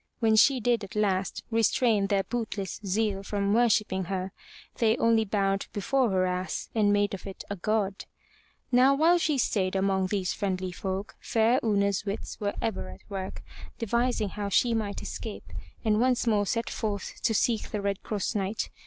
When she did at last restrain their bootless zeal from worshipping her, they only bowed before her ass and made of it a God. Now while she stayed among these friendly folk, fair Una's wits were ever at work devising how she might escape and once more set forth to seek the Red Cross Knight.